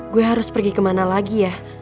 gue harus pergi kemana lagi ya